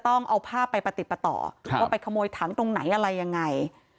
ต้องเอาภาพไปประติดประต่อว่าไปขโมยถังตรงไหนอะไรยังไง